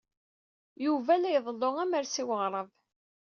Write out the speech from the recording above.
Yuba la iḍellu amers i weɣrab.